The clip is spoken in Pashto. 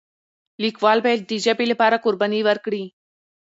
لیکوال باید د ژبې لپاره قرباني ورکړي.